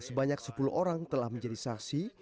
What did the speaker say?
sebanyak sepuluh orang telah menjadi saksi